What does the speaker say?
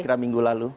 kira kira minggu lalu